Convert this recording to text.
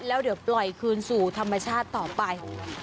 แล้วเดี๋ยวปล่อยคืนสู่ธรรมชาติต่อไป